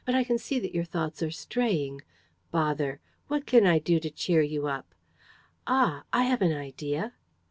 But I can see that your thoughts are straying. Bother! What can I do to cheer you up? Ah, I have an idea!